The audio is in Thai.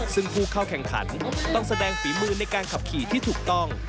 ซึ่งผู้เข้าแข่งขันต้องแสดงฝีมือในการขับขี่ที่ถูกต้อง